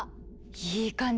いい感じ！